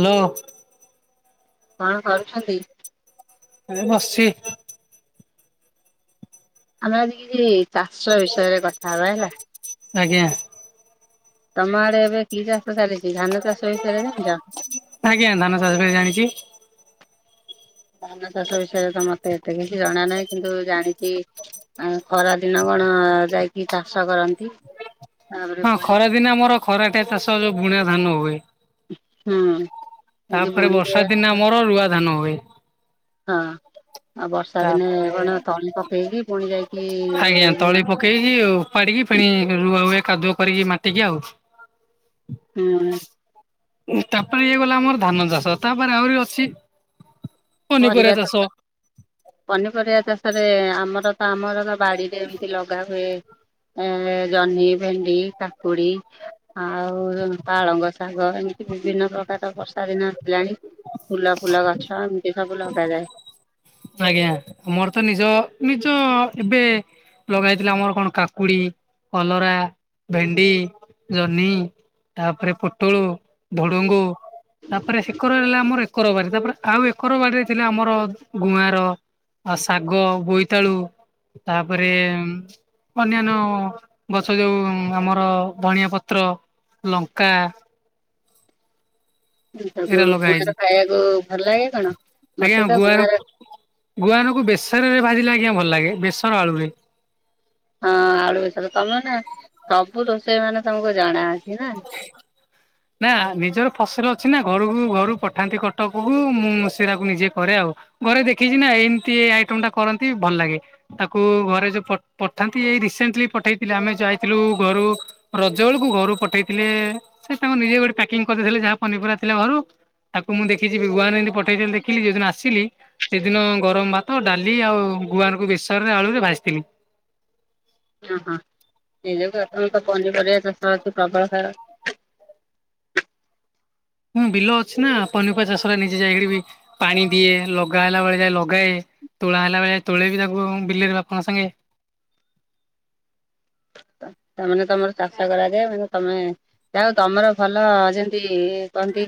Hello. କଣ କରୁଛନ୍ତି? ଏ ବସଚି। ଆମେ ଆଜି କିଛି ଚାଷ ବିଷୟରେ କଥା ହବା ହେଲା? ଆଜ୍ଞା। ତମ ଆଡେ ଏବେ କି ଚାଷ ଚାଲିଚି ଧାନ ଚାଷ ବିଷୟରେ ଜାଣିଚ? ଆଜ୍ଞା ଧାନ ଚାଷ କରି ଜାଣିଛି। ଧାନ ଚାଷ ବିଷୟରେ ତ ମତେ ଏତେ କିଛି ଜଣା ନାହିଁ କିନ୍ତୁ ଜାଣିଛି ଖରା ଦିନ ଆପଣ ଯାଇକି ଚାଷ କରନ୍ତି ତାପରେ ହଁ ପୁଣି ଖରା ଦିନେ ଆମର ଖରା ଟେ ଚାଷ ଯୋଉ ବୁଣିଆ ଧାନ ହୁଏ ହଁ ତାପରେ ବର୍ଷା ଦିନେ ଆମର ରୁଆ ଧାନ ହୁଏ ହଁ ଆଉ ବର୍ଷା ଦିନେ ତାପରେ କଣ ତଳି ପକେଇକି ପୁଣି ଯାଇକି ର କି ପଣି ରୁଆ ହୁଏ କାଦୁଅ କରିକି ମାଟିକି ଆଉ ହୁଁ ତାପରେ ଇଏ ଗଲା ଆମର ଧାନ ଚାଷ ତାପରେ ଆହୁରି ଅଛି ପରିବା ପନିପରିବା ଚାଷ। ଚାଷରେ ପନିପରିବା ଚାଷରେ ଆମର ତ ଆମର ବାଡିରେ ଏମିତି ଲଗା ହୁଏ ଏ ଜହ୍ନି ଭେଣ୍ଡି କାପୁଡି ଆଉ ପାଳଙ୍ଗ ଶାଗ ବିଭିନ୍ନ ପ୍ରକାର ବର୍ଷା ଦିନ ଥିଲାଣି ଫୁଲ ଫୁଲ ଗଛ ଏମିତି ସବୁ ଲଗାଯାଏ ଆଜ୍ଞା ଆମର ତ ନିଜ ନିଜ ଏବେ ଲଗା ହୋଇଥିଲା ଆମର କଣ କାକୁଡି କଲରା ଭେଣ୍ଡି ଜହ୍ନି ତାପରେ ପୋଟଳୁ ଭୁଡୁଙ୍ଗୁ ତାପରେ ଶକର ରଲା ଆମର ଏକର ବାଡି ତାପରେ ଆଉ ଏକର ବାଡିରେ ଥିଲା ଆମର ଗୁଆଁର ଆ ଶାଗ ବୋଇ ତାଳୁ ତାପରେ ଅନ୍ୟାନ୍ୟ ଗଛ ଯେୋଉଁ ଆମର ଧଣିଆ ପତ୍ର ଲଙ୍କା ସବୁ ଏରା ଲଗା ହେଇଛି ଗୁଆଁର ଖାଇବାକୁ ଭଲ ଲାଗେ କଣ ମତେ ତ ଗୁଆଁର ଗୁଆଁର କୁ ବେସନ ରେ ଭାଜିଲେ ଆଜ୍ଞା ଭଲ ଲାଗେ ବେସନ ଆଳୁରେ ହଁ ଆଳୁ ବିଷୟ ତମେ ନା ସବୁ ରୋଷେଇ ମାନେ ତମକୁ ଜଣା ଅଛି ନା ନା ନିଜର ଫସଲ ଅ ସନା ଘରକୁ ଘରୁ ପଠାନ୍ତି କଟକକୁ ମୁଁ ସେରାାକୁ ନିଜେ କରେ ଆଉ ଘରେ ଦେଖିଛି ନା ଏମତି ଆଇଟମ ଟା କରନ୍ତି ଭଲ ଲାଗେ ତାକୁ ଘରେ ଯୋଉ ପଠାନ୍ତି ଏଇ ରିସେଣ୍ଟଲି ପଠେଇଥିଲେ ଆମେ ଯଉ ଥିଲୁ ଘରୁ ରଜ ବେଳକୁ ଘରୁ ପଠେଇଥିଲ ଥିଲେ ସେ ତାଙ୍କ ନିଜେ ଗୋଟେ ପକିଂ କରିଦଥିଲେ ଯାହା ପନିପର ଥିଲା ଘରୁ ତାକୁ ମୁଁ ଦେଖିଛି ଭୁଆାନ ଏମିତି ପଠେଇ ଦେଖିଲି ଯୋଉଦିନ ଆସିଲି ସେଦିନ ଗରମ ଭାତ ଡାଲି ଆଉ ଗୁଆଁର ଙ୍କୁ ବେେଶ ରେ ଆଳୁ ରେ ଭାସିଥିଲି ତମେ ତ ପନିପରିବା ଚାଷ ହଉଛି ପ୍ରବଳ ଖରା ହଁ ବିଲ ଅଛି ନା ପନିପରିବା ଚାଷ ନିଜେ ଯାଇକି ବି ପାଣି ଦିଏ ଲଗା ହେଲା ବେଳେ ଯାଏ ଲଗାଏ ତୁଳା ହେଲା ବେଳେ ତୋଳେ ବି ତାକୁ ବିଲିରେ ବାପାଙ୍କ ସାଙ୍ଗେ ତାମାନେ ତମର ଚାଷ କରାଯାଏ ମ ତମେ ଯାଉ ତମର ଭଲ ଯେମିତି କହନ୍ତି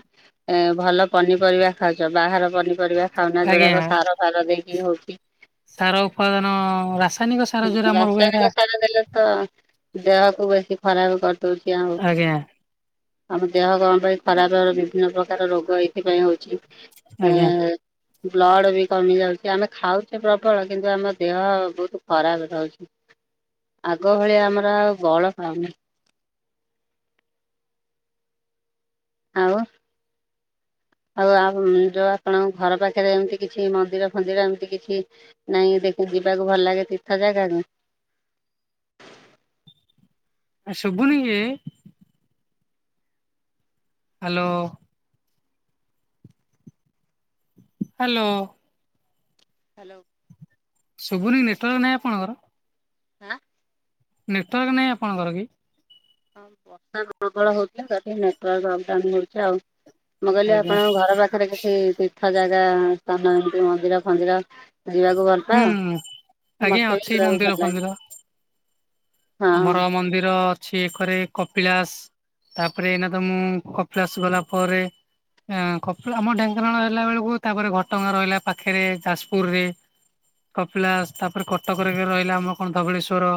ଏ ଭଲ ପନିପରିବା ଖାଉଛ ବାହାର ପନିପରିବା ଖାଉନା ଆଜ୍ଞା। ଯୋଉଡାକ ସାର ଫାର ଦେଇକି ହଉଛି ସାର ଉପତ୍ାଦାନ ରାସନ ରାସ୍ତାଟ ତ ସାରା ଦେଲେ ତ ଦେହକୁ ବେଶୀ ଖରାପ କର ଉଛି ଆଉ ଆଜ୍ଞା ଆମ ଦେହ କଣ ପାଇଁ ଖରାପ ବିଭିନ୍ନ ପ୍ରକାର ରୋଗ ଏଇଥିପାଇଁ ହଉଛି ଏ ଆଜ୍ଞା ବ୍ଲଡ଼ ବି କମି ଯାଉଛି ଆମେ ଖାଉଛେ ପ୍ରବଳ କିନ୍ତୁ ଆମ ଦେହ ବହୁତ ଖରାପ ରହୁଛି ଆଗ ଭଳିଆ ଆମର ଆଉ ବଳ ଖାଉନି ଆଉ ଆଉ ଆ ଯୋଉ ଆପଣଙ୍କ ଘର ପାଖରେ ଏମତି କିଛି ମନ୍ଦିର ଫନ୍ଦିର ଏମତି କିଛି ନାଇଁ ଦେଖ ଯିବାକୁ ଭଲ ଲାଗେ ତୀର୍ଥ ଜାଗାକୁ ଶୁଭୁନିକି ହ୍ୟାଲୋ। ହାଲୋ। ହ୍ୟାଲୋ। ଶୁଭୁନି ନେଟୱାର୍କ ନାହିଁ ଆପଣଙ୍କର। ଆଁ। ନେଟୱାର୍କ ନାହିଁ ଆପଣଙ୍କର କି? ଆଉ ବର୍ଷା ପ୍ରବଳ ହଉଥିଲା ତ ଟିକେ ନେଟୱର୍କ ଅଫ୍ ଡାଉନ୍ ହଉଛି ଆଉ। ମୁଁ କହିଲି ଆଜ୍ଞା ଆପଣଙ୍କ ଘର ପାଖରେ କିଛି ତୀର୍ଥ ଜାଗା ସ୍ଥାନ ଏମିତି ମନ୍ଦିର ଫନ୍ଦିର ଯିବାକୁ ଭଲ ହୁଁ। ପାଅ ଆଜ୍ଞା ମତେ ବି ଅଛି ଯିବାକୁ ମନ୍ଦିର ଭଲ ଲାଗେ। ଫନ୍ଦିର ହଁ ଆମର ମନ୍ଦିର ଛି ଖରେ କପିଳାସ ତାପରେ ଏଇନା ତ ମୁଁ କପିଳାସ ଗଲା ପରେ ଅ କପି ଆମ ଢେଙ୍କାନାଳ ହେଲା ବେଳକୁ ତାପରେ ଘଟଗାଁ ରହିଲା ପାଖରେ ଯାଜପୁର ରେ। କପିଳାସ ତାପରେ କଟକରେ ବି ରହିଲା ଆମ କଣ ଧବଳେଶ୍ଵର?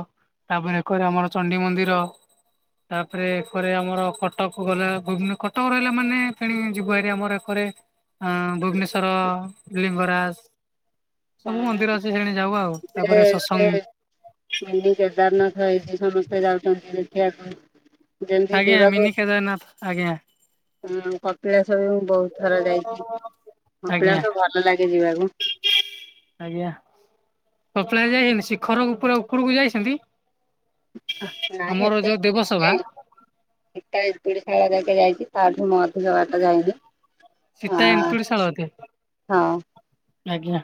ତାପରେ ଏକରେ ଆମର ଚଣ୍ଡି ମନ୍ଦିର। ତାପରେ ଏକରେ ଆମର କଟକ ଗଲା ଭୁବ୍ କଟକ ରହିଲା ମାନେ ଫେଣି ଯିବୁ ହାରି ଆମର ଏକରେ। ଅ ଭୁବନେଶ୍ଵର, ଲିଙ୍ଗରାଜ। ସବୁ ଏବେ ମନ୍ଦିର ଅଛି ସେଣେ ଯାଉ ଆଉ ତାପରେ ସତ୍ସଙ୍ଗ। ତ ଏଇଠି ସମସ୍ତେ ଯାଉଛନ୍ତି ଦେଖିବାକୁ। ଯେମିତି ଆଜ୍ଞା ମିନି କେଦାରନାଥ ଆଜ୍ଞା। ହୁଁ କପିଳାସ ମୁ ବହୁତ ଥର ଯାଇଛି ଆଜ୍ଞା କପିଳାସ ଭଲ ଲାଗେ ଯିବାକୁ। କପିଳାସ ଯାଇଛନ୍ତି ଶିଖର ଉପର ପୁରା ଉପରକୁ ଯାଇଛନ୍ତି। ନାଇଁ ଆମର ଏତେ ଯୋଉ ଉଚାକୁ ଦେବସଭା ଯାଇନୁ। ଏକା ଏନ୍ତୁଡ଼ି ସାଳ ଯାକେ ଯାଇଛି ତାଠୁ ମୁଁ ଅଧିକ ବାଟ ଯାଇନି। ଆ ସୀତା ଏନ୍ତୁଡି ଶାଳ ଅକେ ହଁ।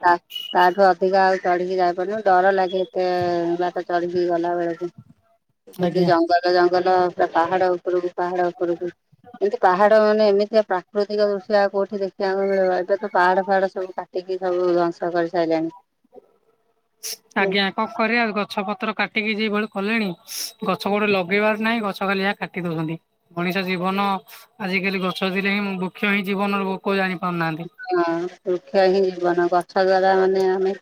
ତା ତାଠୁ ଅଧିକା ଆଉ ଚଢିକି ଯାଇପାରୁନି ଡର ଲାଗେ ଏତେ ବାଟ ଚଢିକି ଗଲା ବେଳକୁ। ସେମତି ଆଜ୍ଞା। ଜଙ୍ଗଲ ଜଙ୍ଗଲ ପୁରା ପାହାଡ ଉପରକୁ ପାହାଡ ଉପରକୁ ଏମତି ପାହା ମାନେ ଏମିତିଆ ପ୍ରାକୃତିକ ଦୃଶ୍ୟ ଆଉ କୋଉଠି ଦେଖିବାକୁ ମିଳିବ ଏବେ ତ ପାହାଡ ଫାଡ ସବୁ କାଟିକି ସବୁ ଧ୍ୱଂସ କରି ସାରିଲାଣି। ଆଜ୍ଞା କଣ କରିବା ଆଉ ଗଛ ପତ୍ର କାଟିକି ଯି ବଳ କଲେଣି ଗଛ କୋଉଠି ଲଗେଇବାର ନାହିଁ ଗଛ ଖାଲି ଯାହା କାଟି ଦଉଛନ୍ତି ମଣିଷ ଜୀବନ ଆ ଆଜିକାଲି ଗଛ ଥିଲେ ହିଁ ବୃକ୍ଷ ହିଁ ଜୀବନ ଲୋକ ଜାଣି ପାରୁନାହାନ୍ତି। ହଁ ବୃକ୍ଷ ହିଁ ଜୀବନ ଗଛ ଦ୍ଵାରା ମାନେ ଆମେ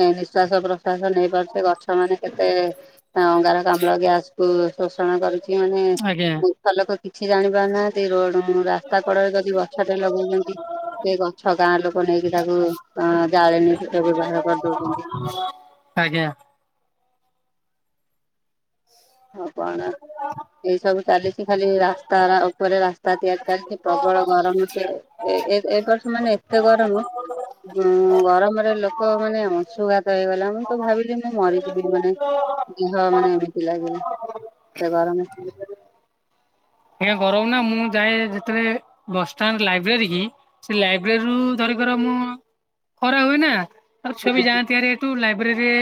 ନିଃଶ୍ଵାସ ପ୍ରଶ୍ଵା ସ ନେଇ ପାରୁଛେ ଗଛ ମାନେ କେତେ ଅଙ୍ଗାରକାମ୍ଳ ଗ୍ୟାସ କୁ ଶୋଷଣ କରୁ କିଛି ମାନେ ଆଜ୍ଞା। ମୁଖା ଲୋକ କିଛି ଜାଣିପାରୁ ନାହାନ୍ତି ରୋଡ ରାସ୍ତା କଡରେ ଯଦି ଗଛଟେ ଲଗଉଛନ୍ତି ସେ ଗଛ ଗାଁ ଲୋକ ନେଇକି ତାକୁ ଜାଳେଣୀ ସହିତ ବ୍ୟବହାର କରିଦଉଛନ୍ତି। ଆଜ୍ଞା। ଆଉ କଣ ଏଇ ସବୁ ଚାଲିଛି ଖାଲି ରାସ୍ତାରା ଉପରେ ରାସ୍ତା ତିଆରି ଚାଲିଛି ପ୍ରବଳ ଗରମ ସେ ଏ ଏ ଏବର୍ଷ ମାନେ ଏତେ ଗରମ ହୁଁ। ଗରମରେ ଲୋକ ମାନେ ଅଂଶୁଘାତ ହେଇଗଲା ମୁଁ ତ ଭାବିଲି ମୁଁ ମରିଯିବି ମାନେ। ଦେହ ମାନେ ଏମିତି ଲାଗିଲା ସେ ଗରମ ଆଜ୍ଞା ଗରମ ନା ମୁଁ ଯାଏ ଯେତବେଳେ ବସଷ୍ଟାଣ୍ଡ ଲାଇବ୍ରେରୀ କି ସେ ଲାଇବ୍ରେରୀରୁୁ ଧ ମୁଁ ଖରା ହୁଏ ନା ଛୁଆ ବି ଯାଆନ୍ତି ହାରି ଏଠୁ ଲାଇବ୍ରେରୀରେ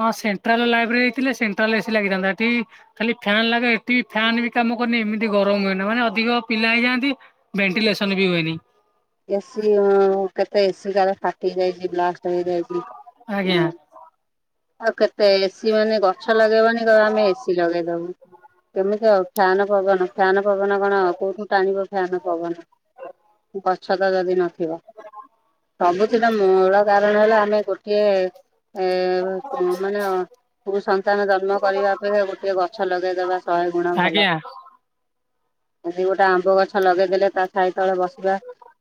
ହଁ ସେଣ୍ଟ୍ରାଲ ଲାଇବ୍ରେରୀ ଥିଲେ ସେଣ୍ଟ୍ରାଲ ଏସି ଲାଗିଥାନ୍ତା ଏଠି ଖାଲି ଫ୍ୟାନରାକ ଏଠି ଫ୍ୟାନ ବି କାମ କରୁନି ଏମିତି ଗରମ ହୁଏନି ମାନେ ଅଧିକ ପିଲା ହେଇଯାଆନ୍ତି ଭେଣ୍ଟିଲେସନ ବି ହୁଏନି। ଏସି ଅ କେତେ ଏସି ସେଇଡ଼ା ହେଲା ଫାଟି ଯାଇଚି ବ୍ଲାଷ୍ଟ ହେଇଯାଇଚି ଉଁ ଆଜ୍ଞା ଆଉ କେ ତ ଏସିି ମାନେ ଗଛ ଲଗେଇବନି କହିବ ଆମେ ଏସି ଲଗେଇଦବୁ। କେମିତି ଆଉ ଫ୍ୟାନ ପବନ ଫ୍ୟାନ ପବନ କଣ କୋଉଠୁ ଟାଣିବ ଫ୍ୟାନ ପବନ। ଗଛ ତ ଯଦି ନଥିବ ସବୁଥିର ମୂଳ କାରଣ ହେଲା ଆମେ ଗୋଟିଏ ଏ ବା ମାନେ କଁ କୁ ସନ୍ତାନ ଜନ୍ମ କରିବା ଅପେକ୍ଷା ଗୋଟିଏ ଗଛ ଲଗେଇଦବା ଶହେ ଗୁଣ ଭଲ। ଆଜ୍ଞା ଆଜି ଗୋଟେ ଆମ୍ବ ଗଛ ଲଗେଇଦେଲେ ତା ଛାଇ ତଳେ ବସିବା।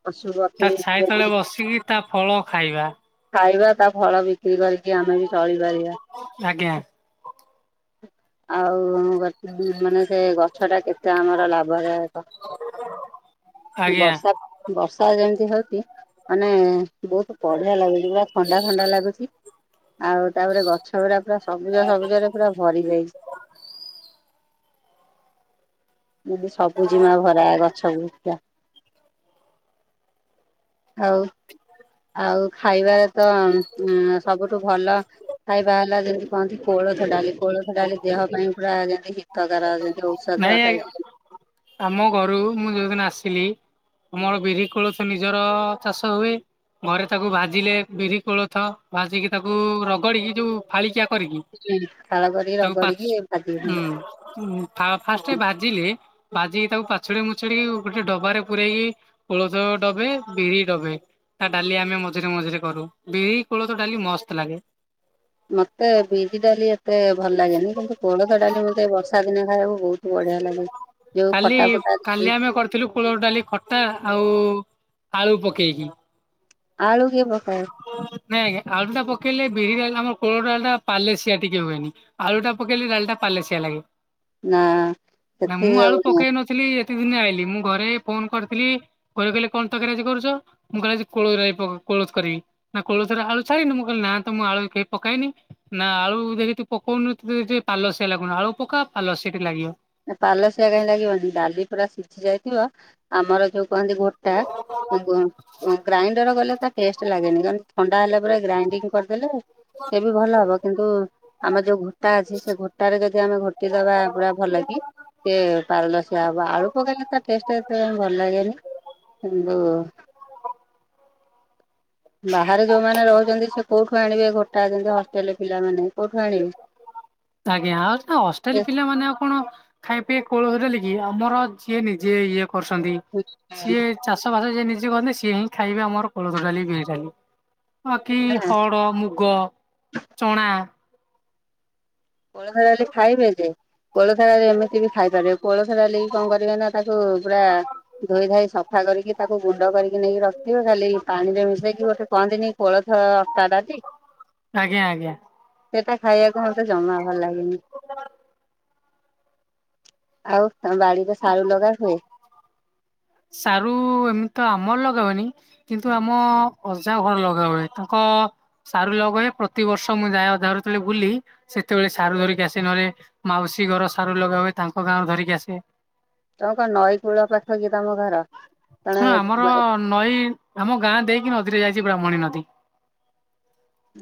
ପଶୁ ପକ୍ଷୀ ତା ଛାଇ ସିଏ ବି ତଳେ ବସିକି ତା ଫଳ ଖାଇବା। ଖାଇବା ତା ଫଳ ବିକ୍ରି କରିକି ଆମେ ବି ଚଳିପାରିବା। ଆଜ୍ଞା ଆଉ ଗ ମାନେ ସେ ଗଛ ଟା କେତେ ଆମର ଲାଭରେ ଆଜ୍ଞା। ର୍ଷା ଯେମିତି ହୋଉଚି ମାନେ ବୋହୁତୁ ବଢିଆ ଲାଗୁଚି ପୁରା ଥଣ୍ଡା ଥଣ୍ଡା ଲାଗୁଛି। ଆଉ ତାପରେ ଗଛ ଗୁରା ପୁରା ସବୁଜ ସବୁଜ ରେ ପୁରା ଭରି ଯାଇଛି। [unintelligible] ସବୁ ଜିମା ଭରା ଗଛ। [unintelligible] ଆଉ ଆଉ ଖାଇବାରେ ତ ଉଁ ସବୁଠୁ ଭଲ ଖାଇବା ହେଲା ଜେମିତି କହନ୍ତିନି କୋଳୋଥୋ ଡାଲି କୋଳୋଥୋ ଡାଲି ଦେହ ପାଇଁ ପୁରା ଜେ ନାଇଁ ଆଜ୍ଞା ଆମ ଘରୁ ମୁଁ ଯୋଉଦିନ ଆସିଲି ଆମର ବିରି କୋଳୋଥୋ ନିଜର ଚାଷ ହୁଏ। ଘରେ ତାକୁ ଭାଜିଲେ ବିରି କୋଳୋଥ ଭାଜିିକି ତାକୁ ରଗଡିକି ଯୋଉ ଫାଳିକିଆ କରିକି ଫାଳ କରିକି ତାକୁ ପାଛ ରଗଡିକି ଭାଜି ହୁଁ ଫା ଫାଷ୍ଟ ହଁ ଭଜିଲେ ଭାଜିକି ତାକୁ ପାଛୁଡି ମୁଛୁଡି ଗୋଟେ ଡବାରେ ପୁରେଇକି କୋଳୋଥୋ ଡବେ ବିରି ଡବେ। ତା ଡାଲି ଆମେ ମଝିରେ ମଝିରେ କରୁ ବିରି କୋଳୋଥୋ ଡାଲି ମସ୍ତ ଲାଗେ। ମତେ ବିରି ଡାଲି ଏତେ ଭଲ ଲାଗେନି କିନ୍ତୁ କୋଳୋଥୋ ଡାଲି ମତେ ବର୍ଷା ଦିନେ ଖାଇବାକୁ ବୋହୁତ କାଲି କାଲି ଦେଇକି ଆମେ କରିଥିଲୁ କୁଳଥ ଡାଲି ଖଟା ଆଉ ଆଳୁ ପକେଇକି। ଆଳୁ କିଏ ପକାଏ ନାଇଁ ଆଜ୍ଞା ଆଳୁଟା ପକେଇଲେ ବିରି ଡାଲି ଆମର କୋଳୋଥୋ ଡାଲଟା ପାଲେସିଆ ଟିକେ ହୁଏନି ଆଳୁ ଟା ପକେଇଲେ ଡାଲିଟା ପାଲେଶିଆ ଲାଗେ। ନା ନା ମୁଁ ଆଳୁ ସେଥିରେ ପକେଇ ନଥିଲି। ଏତେ ଦିନେ ଆଇିଲି ମୁଁ ଘରେ ଫୋନ କରିଥିଲି ଘରେ କହିଲେ କଣ ତକାରି କରୁଛ ମୁଁ କହିଲେ କୋଳୋଥ ଡାଲି ବ କୋଳୋଥ କରିବି ନା କୋଳୋଥୋ ଟା ଆଳୁ ଛାଡିନୁ ମୁଁ କହିଲି ନା ତ ମୁଁ ଆଳୁ କେବେ ପକାଏନି ନା ଆଳୁ ଦେଖି ତୁ ପକୋଉନୁ ତୋତେ ଟିକେ ପାଲସଆ ଲାଗୁନି ଆଉ ପକା ପାଲସିଆ ଟିକେ ଲାଗିବ। ନା ପାଲସିଆ କାହିଁ ଲାଗିବନି ଡାଲି ପୁରା ସିଝି ଯାଇଥିବ ଆମର ଯୋଉ କହନ୍ତି ଘୋଟା ଉଁ ଗୁଁ ଗ୍ରାଇଣ୍ଡର କଲେ ତା ଟେଷ୍ଟ ଲାଗେନି କାରଣ ଥଣ୍ଡା ହେଲା ପରେ ଗ୍ରାଇଣ୍ଡିଙ୍ଗି କରିଦେଲେ। ସେ ବି ଭଲ ହବ କିନ୍ତୁ ଆମର ଯୋଉ ଘୋଟା ଅଛି ସେ ଘୋଟାରେ ଯଦି ଆମେ ଘୋଟି ଦବା ପୁରା ଭଲକି ସିଏ ପାରଲସିଆ ହବ ଆଳୁ ପକେଇଲେ ତା ଟେଷ୍ଟ ଏତେ ଭଲ ଲାଗେନି। କିନ୍ତୁ ବାହାରେ ଯୋଉମାନେ ରୋହୁଚନ୍ତି ସେ କୋଉଠୁ ଆଣିବେ ଘୋଟା ଯେନ୍ତି ହସ୍ ଷ୍ଟେଲେ ପିଲାମାନେ କୋଉଠୁ ଆଣିବେ। ଆଜ୍ଞା ଆଉ ସିନା ହଷ୍ଟେଲେ ପିଲାମାନେ ଆଉ କଣ ଖାଇବେ ପିଇବେ କୋଳୋଥୋ ଡାଲି କି ଆମର ଯିଏ ନିଜେ ଇଏ କରୁଛନ୍ତି ସିଏ ଚାଷ ବାସ ସିଏ ନି ସେ କରନ୍ତି ସିଏ ହିଁ ଖାଇବେ ଆମର କୋଳୋଥୋ ଡାଲି ବିରି ଡାଲି। ହଁ କି ନା ହରଡ, ମୁଗ, ଚଣା କୋଳୋଥୋ ଡାଲି ଖାଇବେ ଯେ କୋଳୋଥୋ ଡାଲି ଏମିତି ବି ଖାଇପାରିବେ କୋଳୋଥୋ ଡାଲିକି କଣ କରିବେ ନା ତାକୁ ପୁରା ଧୋଇ ଧାଇ ସଫା କରିକି ତାକୁ ଗୁଣ୍ଡ କରି କି ନେଇକି ରଖିଥିବେ ଖାଲି ପାଣିରେ ମିଶେଇକି ଗୋଟେ କହନ୍ତିନି କୋଳୋଥୋ ଅଟା ଡାଲି। ଆଜ୍ଞା ଆଜ୍ଞା ସେଟା ଖାଇବାକୁ ମତେ ଜମା ଭଲ ଲାଗେନି ଆଉ ତମ ବାଡ଼ିରେ ସାରୁ ଲଗାଇ ହୁଏ। ସାରୁ ଏମିତି ତ ଆମର ଲଗା ହୁଏନି କିନ୍ତୁ ଆମ ଅଜା ଘର ଲଗା ହୁଏ ତାଙ୍କ ଅ ସାରୁ ଲଗାଏ ପ୍ରତିବର୍ଷ ମୁଁ ଯାଏ ଅଜା ଘରୁ ଯେତେ ବେଳେ ବୁଲି ସେତେବେଳେ ସାରୁ ଧରିକି ଆସି ନଏଲେ ମାଉସୀ ଘର ସାରୁ ଲଗା ହୁଏ ତାଙ୍କ ଗାଁ ରୁ ଧରିକି ଆସେ। ତମର କଣ ନଈ କୂଳ ପାଖ କି ତମ ଘର। କଣ ହଁ ଆମର ଆଚ୍ଛା ନଈ ଆମ ଗାଁ ଦେଇକି ନଦୀ ଟେ ଯାଇଛି। ବ୍ରାହ୍ମଣୀ ନଦୀ।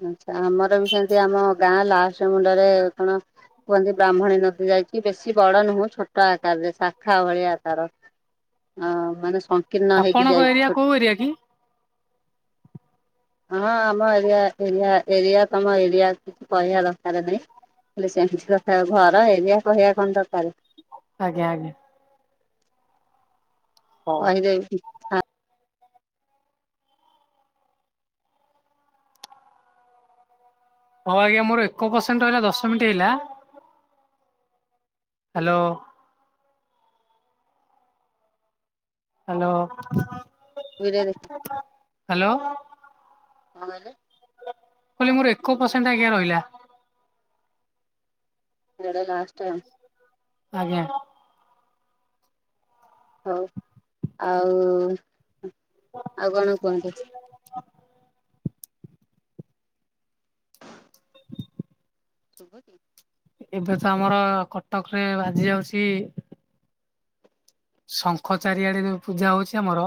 ଆଛା ଆମର ବି ସେମତି ଆମ ଗାଁ ଲାଷ୍ଟ ମୁଣ୍ଡରେ କଣ। କୁହନ୍ତି ବ୍ରାହ୍ମଣୀ ନଦୀ ଯାଇଛି ବେଶୀ ବଡ ନୁହଁ ଛୋଟ ଆକାରରେ ଶାଖା ଭଳିଆ ତାର। ଅ ମାନେ ସଂକୀର୍ଣ୍ଣ ହେଇକି ଆପଣଙ୍କ ଯାଇଛି ଏରିଆ ଛୋଟ। କୋଉ ଏରିଆ କି? ହଁ ଆମ ଏରିଆ। ଏରିଆ ଏରିଆ ତମ ଏରିଆ କିଛି କହିବା ଦରକାର ନାଇଁ। ଖାଲି ସେମିତି କଥା ହୁଅ ଘର ଏରିଆ କହିବା କଣ ଦରକାରେ। ଆଜ୍ଞା ଆଜ୍ଞା। ହଉ। କହିଦେବି କି। ହଉ ଆଜ୍ଞା ମୋର ଏକ ପସେଣ୍ଟ ରହିଲା ଦଶ ମିନିଟ ହେଲା। ହା ଲୋ। ହା ଲୋ। ବିର ଦେଖି କଣ କହିଲେ। କଇଲୀ ମୋର ଏକ ପସେଣ୍ଟ ଆଜ୍ଞା ରହିଲା। ଏଇଟା ଲାଷ୍ଟ ଟାଇମ୍। ଆଜ୍ଞା। ହଉ ଆଉ ଆଉ କଣ କୁହନ୍ତୁ। ଶୁଭୁଛି। ଏବେ ତ ଆମର କଟକ ରେ ବାଜି ଯାଉଛି। ଶଙ୍ଖ ଚାରିଆଡେ ଜୋଉ ପୂଜା ହଉଛି ଆମର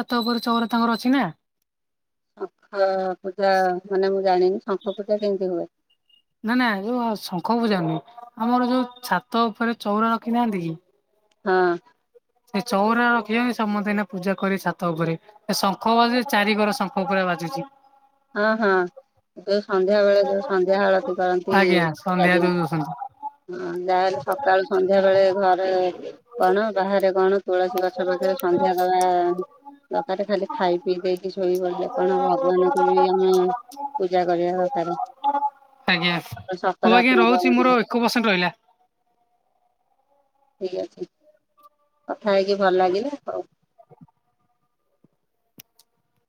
ଛାତ ଉପରେ ଚଉରା ତାଙ୍କର ଅଛି ନା। ଶଙ୍ଖ ପୂଜା ମାନେ ମୁଁ ଜାଣିନି ଶଙ୍ଖ ପୂଜା କେମିତି ହୁଏ। ନା ନା ଯୋଉ ଶଙ୍ଖ ପୂଜା ନୁହେଁ ଆମର ଯୋଉ ଛାତ ଉପରେ ଚଉରା ରଖି ନାହାନ୍ତି କି। ହଁ। ସେ ଚଉରା ରଖିଛନ୍ତି ସମସ୍ତେ ଏଇନା ପୂଜା କରିବେ ଛାତ ଉପରେ ଏ ଶଙ୍ଖ ବାଜେ ଚାରି କରେ ଶଙ୍ଖ ପୁରା ବାଜେ। [unintelligible] ହଁ ହଁ। ସନ୍ଧ୍ୟା ବେଳେ ଯୋଉ ସନ୍ଧ୍ୟା ଆଳତୀ କରନ୍ତି ଆଜ୍ଞା ସନ୍ଧ୍ୟା ଦେଇ ଦିଅନ୍ତି। ଦଉଛନ୍ତି। ହଁ ଯାହା ହେଲେ ସକାଳୁ ସନ୍ଧ୍ୟା ବେଳେ ଘରେ କଣ ବାହାରେ କଣ ତୁଳସୀ ଗଛ ପାଖରେ। ସନ୍ଧ୍ୟା ଦବା ଦକାରେ ଖାଲି ଖାଇ ପିଇ ଦେଇକି ଶୋଇ ପଡିଲେ କଣ ହବ ଭଗବାନ। [unintelligible] ଆମେ ପୂଜା କରିବା। ଦରକାର ଆଜ୍ଞା ଗୋଟେ ହଉ ଆଜ୍ଞା ରହୁଛି ସକାରାତ୍ମକ। ମୋର [inaudible] ଏକ ପରସେଣ୍ଟ ରହିଲା। ଠିକ ଅଛି କଥା ହେଇକି ଭଲ ଲାଗିଲା ହଉ।